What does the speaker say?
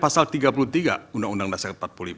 pasal tiga puluh tiga undang undang dasar empat puluh lima